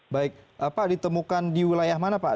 baik pak ditemukan di wilayah mana pak